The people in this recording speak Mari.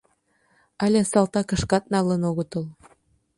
Але салтакышкат налын огытыл.